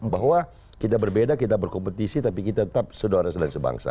bahwa kita berbeda kita berkompetisi tapi kita tetap saudara saudara sebangsa